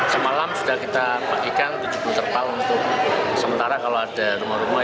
semalam sudah kita pakaikan tujuh puluh terpal untuk sementara kalau ada rumah rumah